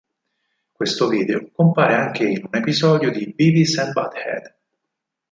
Questo video compare anche in un episodio di Beavis and Butt-head.